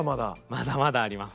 まだまだあります。